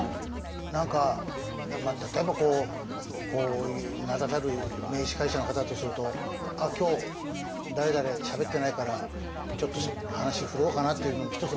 何か例えばこうこういう名だたる名司会者の方だとすると「あっ今日誰々しゃべってないからちょっと話振ろうかな」っていうのも一つの気遣いじゃないですか。